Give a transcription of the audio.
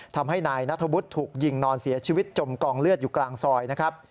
ทำให้นายนัทวุฒิถูกยิงนอนเสียชีวิตจมกองเลือดอยู่กลางซอยนะครับ